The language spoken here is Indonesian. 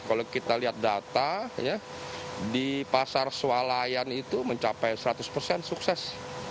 kalau kita lihat data di pasar sualayan itu mencapai seratus persen sukses